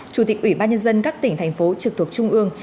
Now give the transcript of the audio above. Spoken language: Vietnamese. chủ tịch ủy ban nhân dân các tỉnh thành phố trực thuộc trung ương